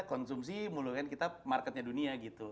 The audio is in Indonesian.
kita konsumsi mulu kan kita marketnya dunia gitu